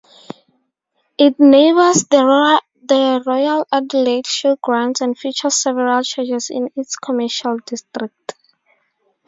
It neighbours the Royal Adelaide Showgrounds and features several churches in its commercial district.